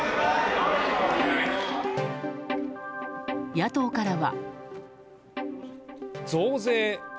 野党からは。